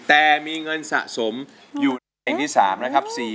แต่มีเงินสะสมอยู่ในเพลงที่๓นะครับ